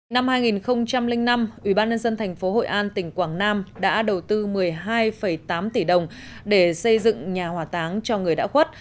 năm hai nghìn năm ubnd tp hội an tỉnh quảng nam đã đầu tư một mươi hai tám tỷ đồng để xây dựng nhà hỏa táng cho người đã khuất